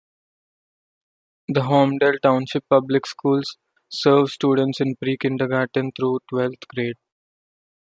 The Holmdel Township Public Schools serve students in pre-kindergarten through twelfth grade.